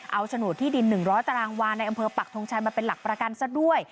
เอาโฉนดที่ดิน๑๐๐ตารางวาในอำเภอปักทงชัยมาเป็นหลักประกันซะด้วย